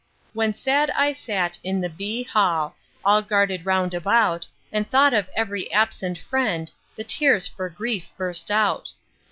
When sad I sat in B——n Hall, All guarded round about, And thought of ev'ry absent friend, The tears for grief burst out.